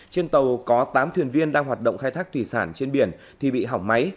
trên tàu có tám thuyền viên đang hoạt động khai thác thủy sản trên biển thì bị hỏng máy